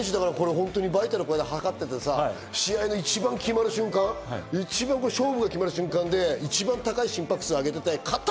バイタル測ってて試合の一番決まる瞬間、勝負が決まる瞬間で一番高い心拍数が出てて勝った！